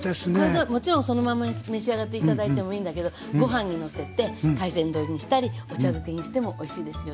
もちろんそのまんま召し上がって頂いてもいいんだけどご飯にのせて海鮮丼にしたりお茶漬けにしてもおいしいですよね。